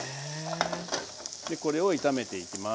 これを炒めていきます